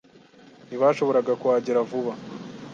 Ntibashoboraga kuhagera vuba.